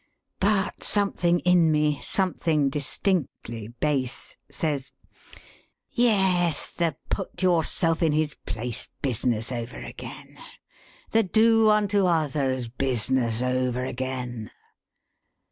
But something in me, something distinctly base, says: 'Yes. The put yourself in his place business over again! The do unto others business over again!'